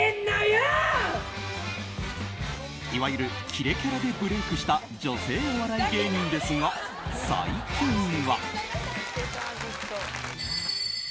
いわゆるキレキャラでブレークした女性お笑い芸人ですが最近は。